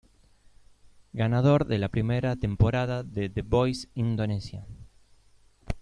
Ganador de la primera temporada de "The Voice Indonesia".